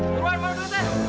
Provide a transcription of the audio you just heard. buruan mana duitnya